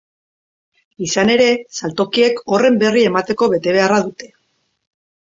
Izan ere, saltokiek horren berri emateko betebeharra dute.